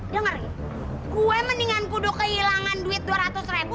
dengar gue mendingan kudu kehilangan duit dua ratus ribu